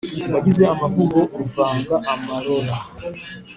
Wagize amavugo uvanga amarora,